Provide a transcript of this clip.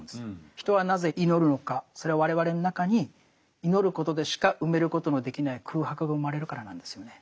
人はなぜ祈るのかそれは我々の中に祈ることでしか埋めることのできない空白が生まれるからなんですよね。